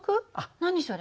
何それ？